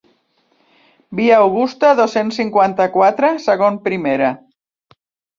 Via Augusta dos-cents cinquanta-quatre, segon primera.